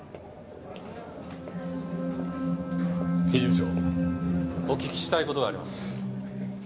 刑事部長お聞きしたいことがあります。